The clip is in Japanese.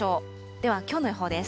ではきょうの予報です。